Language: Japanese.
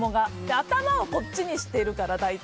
頭をこっちにしてるから大体。